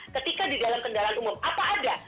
ketika di dalam kendaraan umum apa ada